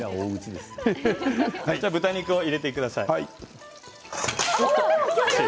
豚肉を入れてください。